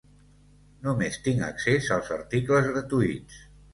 Només tinc accés als articles gratuïts.